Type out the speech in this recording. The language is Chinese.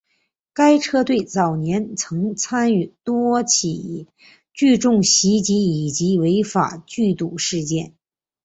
该车队早年曾参与多起聚众袭击以及违法聚赌事件。